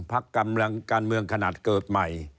ภักดิ์การเมืองขนาดเกิดใหม่